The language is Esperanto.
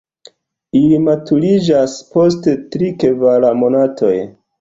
Ili maturiĝas post tri-kvar monatoj.